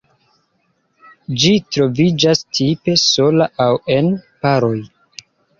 Ĝi troviĝas tipe sola aŭ en paroj.